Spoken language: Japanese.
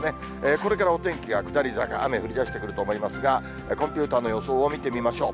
これからお天気が下り坂、雨、降りだしてくると思いますが、コンピューターの予想を見てみましょう。